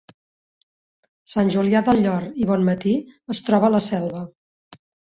Sant Julià del Llor i Bonmatí es troba a la Selva